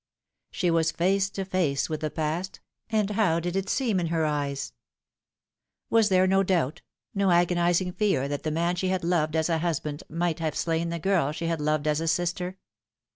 She was face to face with the past, and how did it seem in her eyes ? "Was there no doubt, no agonising fear that the man she had loved as a husband might have slain the girl she had loved as a sister